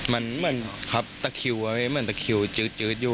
มันเหมือนครับตะคิวอะพี่เหมือนตะคิวจืดอยู่